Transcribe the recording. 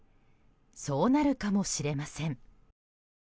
そうなるかもしれません。